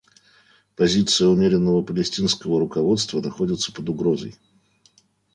Позиция умеренного палестинского руководства находится под угрозой.